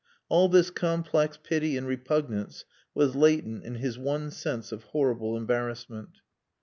All this complex pity and repugnance was latent in his one sense of horrible embarrassment.